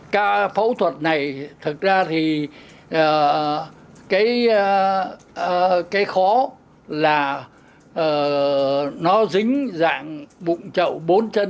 các phẫu thuật này thật ra thì cái khó là nó dính dạng bụng trậu bốn chân